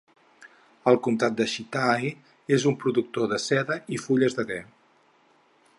El comtat de Shitai és un productor de seda i fulles de te.